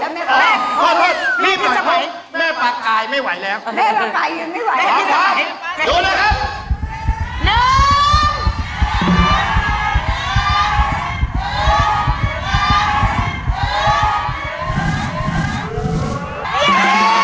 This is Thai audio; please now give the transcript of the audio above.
เค้าชื่อมิสมัย